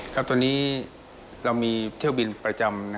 ครับตอนนี้เรามีเที่ยวบินประจำ